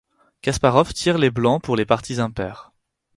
Kasparov tire les blancs pour les parties impaires.